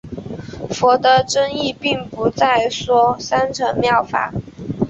佛的真意并不再说三乘妙法。